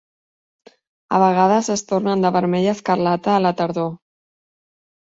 A vegades es tornen de vermell a escarlata a la tardor.